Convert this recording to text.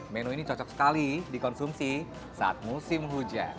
menu ini cocok sekali dikonsumsi saat musim hujan